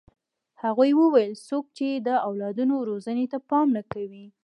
هغوی وویل څوک چې د اولادونو روزنې ته پام نه کوي.